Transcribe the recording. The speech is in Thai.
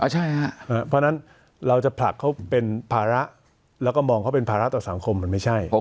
เพราะฉะนั้นเราจะผลักเขาเป็นภาระแล้วก็มองเขาเป็นภาระต่อสังคมมันไม่ใช่